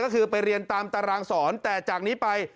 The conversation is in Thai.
ก็คือไปเรียนตามตารางสอนแต่จากนี้ไป